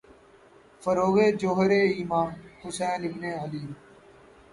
فروغِ جوہرِ ایماں، حسین ابنِ علی